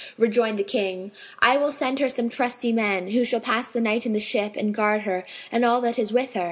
Rejoined the King, "I will send her some trusty men, who shall pass the night in the ship and guard her and all that is with her."